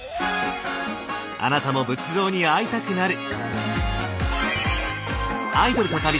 あなたも仏像に会いたくなる！